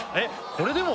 これでもあ！